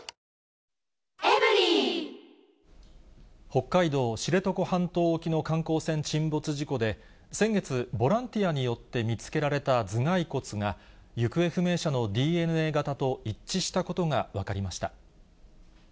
北海道知床半島沖の観光船沈没事故で、先月、ボランティアによって見つけられた頭蓋骨が、行方不明者のＤＮＡ型と一致したことが分かりました。